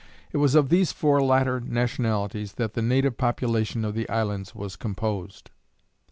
It was of these four latter nationalities that the native population of the islands was composed.